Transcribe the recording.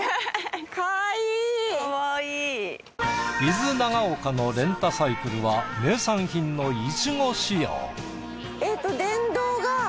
伊豆長岡のレンタサイクルは名産品のイチゴ仕様。